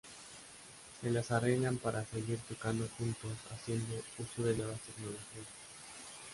Se las arreglan para seguir tocando juntos haciendo uso de nuevas tecnologías.